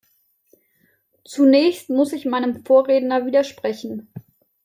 Zunächst muss ich meinem Vorredner widersprechen.